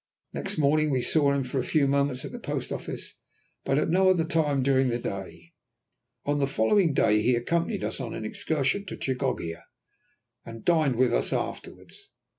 Next morning we saw him for a few moments at the post office, but at no other time during the day. On the following day he accompanied us on an excursion to Chioggia, and dined with us afterwards.